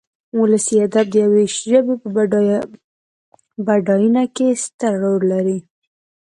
ولسي ادب د يوې ژبې په بډاينه کې ستر رول لري.